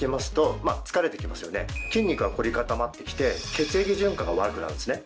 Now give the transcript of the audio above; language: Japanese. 筋肉が凝り固まってきて血液循環が悪くなるんですね。